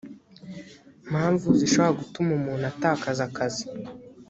mpamvu zishobora gutuma umuntu atakaza akazi